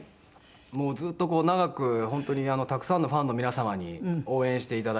もうずっと長く本当にたくさんのファンの皆様に応援していただいて。